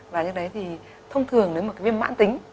và như thế thì thông thường nếu mà viêm mãn tính